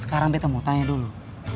sekarang kita mau tanya dulu